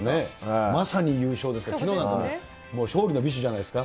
まさに優勝ですから、きのうなんて勝利の美酒なんじゃないですか。